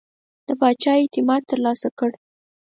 د پاچا اعتماد ترلاسه کړ.